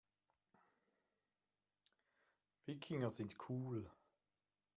Wikinger sind cool.